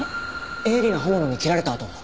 鋭利な刃物に切られた跡。